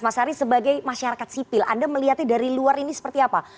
mas ari sebagai masyarakat sipil anda melihatnya dari luar ini seperti apa